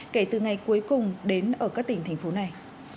kể từ ngày cuối cùng đến ở các tỉnh thành phố này